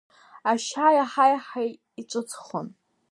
Ашьа иаҳа-иаҳа иҿыцхон.